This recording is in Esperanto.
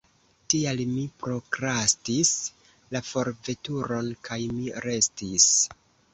Tial mi prokrastis la forveturon kaj mi restis.